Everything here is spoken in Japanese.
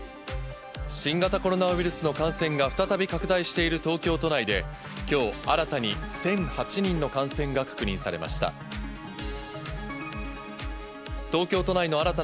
新型コロナウイルスの感染が再び拡大している東京都内できょう新たに１００８人の感染が確認されました。